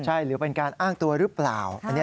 ใช่หรือเป็นการอ้างตัวหรือเปล่า